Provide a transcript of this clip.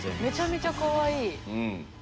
めちゃめちゃかわいい。